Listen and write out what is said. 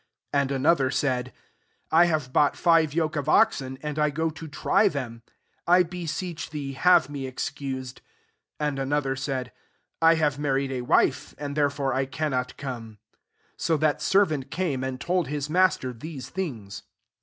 * 19 And another sa|^ * I have bought five yoke of qi|» en, and I go to try them : I \h^ seech thee have me exc^aeA* ^ And another said, * I I19MM married a wife ; and therefi^ I cannot coi^e,' 21 So [jtAti^ servant came, and told his niijai ter these things.